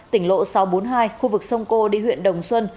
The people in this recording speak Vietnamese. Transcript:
tỉnh lộ sáu trăm bốn mươi hai khu vực sông cô đi huyện đồng xuân